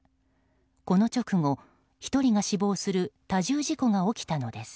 この直後、１人が死亡する多重事故が起きたのです。